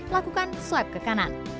lakukan swipe ke kanan